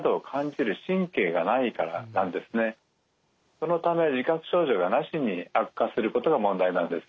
そのため自覚症状がなしに悪化することが問題なんです。